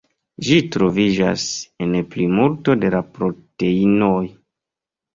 Ĝi troviĝas en plimulto de la proteinoj.